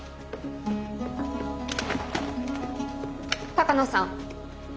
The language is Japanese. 鷹野さん。